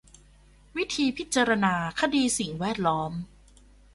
วิธีพิจารณาคดีสิ่งแวดล้อม